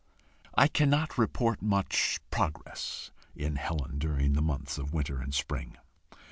I cannot report much progress in Helen during the months of winter and spring.